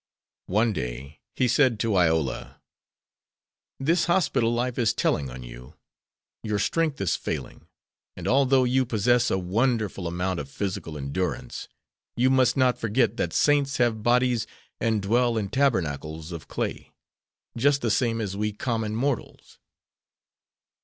One day he said to Iola: "This hospital life is telling on you. Your strength is failing, and although you possess a wonderful amount of physical endurance, you must not forget that saints have bodies and dwell in tabernacles of clay, just the same as we common mortals."